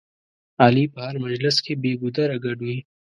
علي په هر مجلس کې بې ګودره ګډ وي.